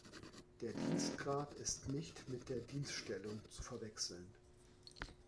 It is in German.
Der Dienstgrad ist nicht mit der Dienststellung zu verwechseln.